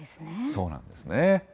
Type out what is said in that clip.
そうなんですね。